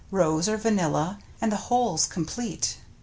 Rose, or vanilla, and the whole's com plete.